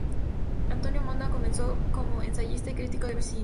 Antonio Monda comenzó como ensayista y crítico de cine.